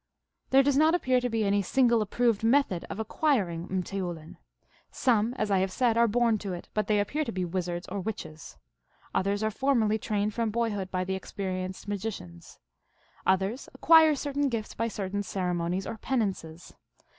There does not appear to be any single approved method of acquiring m teoulin. Some, as I have said, are born to it, but they appear to be wizards or witches. Others are formally trained from boyhood by the experienced magicians. Others acquire cer tain gifts by certain ceremonies or penances.